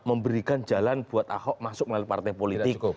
memberikan jalan buat ahok masuk melalui partai politik